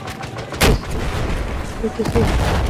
আমার কিছুই বলার নেই।